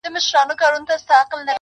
اوس به څوك رنګونه تش كي په قلم كي٫